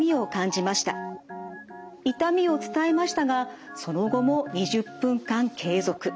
痛みを伝えましたがその後も２０分間継続。